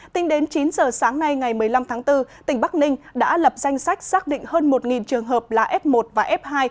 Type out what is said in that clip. tính đến chín giờ sáng nay ngày một mươi năm tháng bốn tỉnh bắc ninh đã lập danh sách xác định hơn một trường hợp là f một và f hai